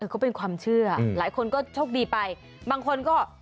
ก็เป็นความเชื่อหลายคนก็โชคดีไปบางคนก็